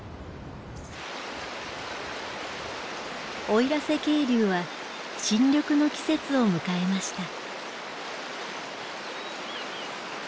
奥入瀬渓流は新緑の季節を迎えました。